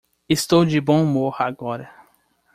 Estou de bom humor agora.